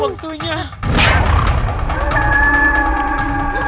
ini mau banyak banget